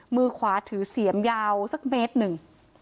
มือขวาถือเสียมยาวสักเมตรหนึ่ง